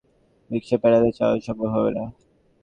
Battery খুলে ফেলা হলেও এসব রিকশা প্যাডেলে চালানো সম্ভব হবে না।